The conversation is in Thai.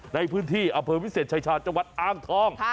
ในพื้นที่อำเภอวิเศษชายชาญจังหวัดอ้างทอง